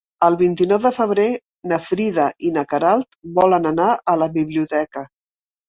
El vint-i-nou de febrer na Frida i na Queralt volen anar a la biblioteca.